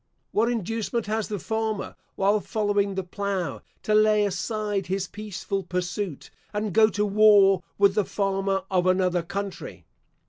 What inducement has the farmer, while following the plough, to lay aside his peaceful pursuit, and go to war with the farmer of another country?